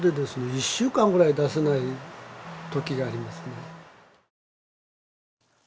一週間ぐらい出せないときがありますね。